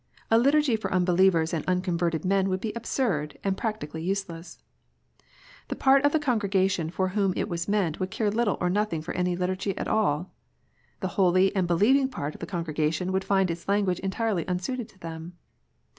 A Liturgy for unbelievers and unconverted men would be absurd, and practically useless ! The part of the congregation for whom it was meant would care little or nothing for any Liturgy at all. The holy and believing part of the congregation would find its language entirely unsuited to them.